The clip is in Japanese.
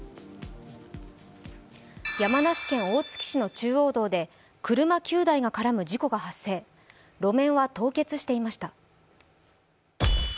山梨県大月市の中央道で車９台が絡む事故が発生、路面は凍結していました。